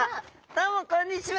どうもこんにちは。